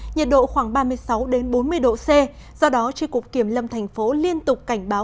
nhiệt độ khoảng ba mươi sáu bốn mươi độ c do đó tri cục kiểm lâm thành phố liên tục cảnh báo